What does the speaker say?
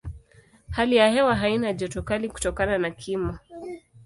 Hali ya hewa haina joto kali kutokana na kimo.